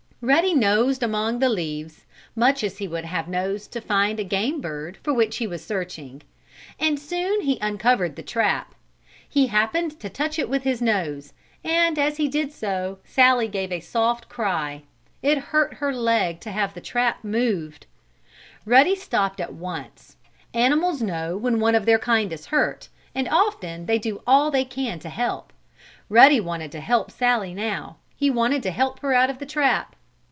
Ruddy nosed among the leaves, much as he would have nosed to find a game bird for which he was searching. And soon he uncovered the trap. He happened to touch it with his nose, and, as he did so, Sallie gave a soft cry. It hurt her leg to have the trap moved. Ruddy stopped at once. Animals know when one of their kind is hurt, and, often, they do all they can to help. Ruddy wanted to help Sallie now. He wanted to help her out of the trap.